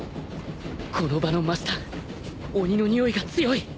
この場の真下鬼のにおいが強い！